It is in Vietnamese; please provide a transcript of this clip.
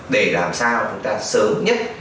để làm sao chúng ta sớm nhất